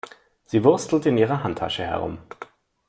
Sie wurstelt in ihrer Handtasche herum.